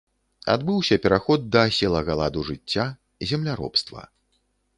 Адбыўся пераход да аселага ладу жыцця, земляробства.